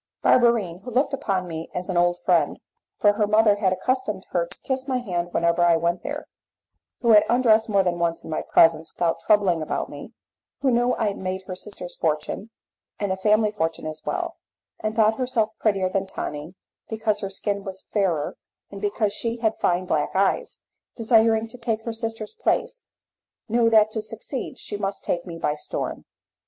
Barberine, who looked upon me as an old friend for her mother had accustomed her to kiss my hand whenever I went there, who had undressed more than once in my presence without troubling about me, who knew I had made her sister's fortune and the family fortune as well, and thought herself prettier than Tonine because her skin was fairer, and because she had fine black eyes, desiring to take her sister's place, knew that to succeed she must take me by storm.